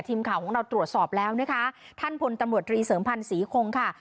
ทีมข่าวของเราตรวจสอบแล้วนะคะท่านพลตำรวจตรีเสริมพันธ์ศรีคงค่ะ